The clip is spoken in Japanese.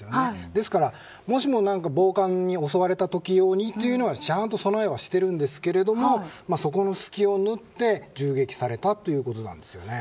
ですからもし暴漢に襲われた時用に備えはしてるんですけどもそこの隙を縫って銃撃されたということなんです。